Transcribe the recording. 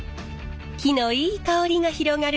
木のいい香りが広がる